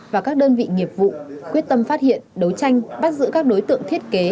và các đơn vị nghiệp vụ quyết tâm phát hiện đấu tranh bắt giữ các đối tượng thiết kế